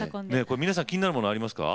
皆さん気になるものありますか？